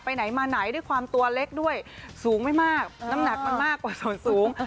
ไหนมาไหนด้วยความตัวเล็กด้วยสูงไม่มากน้ำหนักมันมากกว่าส่วนสูง